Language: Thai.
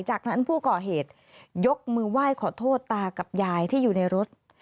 จากนั้นผู้ก่อเหตุยกมือไหว้ขอโทษตากับยายที่อยู่ในรถ